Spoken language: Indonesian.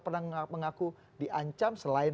pernah mengaku diancam selain